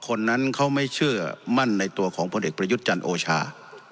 คนนั้นเขาไม่เชื่อมั่นในตัวของพลเอกประยุทธ์จันทร์โอชา